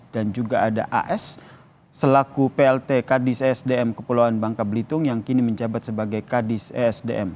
dan juga ada as selaku plt kadis esdm kepulauan bangka belitung yang kini menjabat sebagai kadis esdm